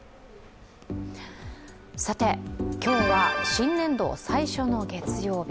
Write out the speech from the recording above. さて、今日は新年度最初の月曜日。